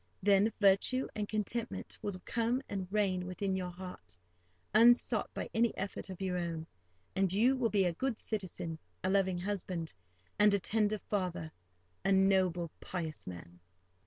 Then virtue and contentment will come and reign within your heart, unsought by any effort of your own; and you will be a good citizen, a loving husband, and a tender father—a noble, pious man.